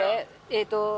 えっと。